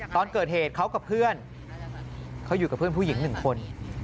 ตอนเกิดเหตุเขากับเพื่อนเขาอยู่กับเพื่อนผู้หญิง๑คน